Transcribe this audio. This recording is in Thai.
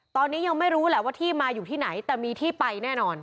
ตอนนี้ยังไม่รู้แหละว่าที่มาอยู่ที่ไหนแต่มีที่ไปแน่นอน